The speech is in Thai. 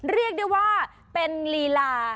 เรียกได้ว่าเป็นลีลา